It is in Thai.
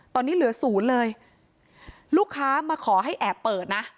ตอนนี้เหลือศูนย์เลยลูกค้ามาขอให้แอบเปิดนะ